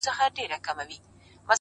پوهه د فرصتونو افق پراخوي؛